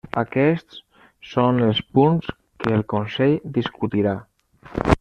Aquests són els punts que el Consell discutirà.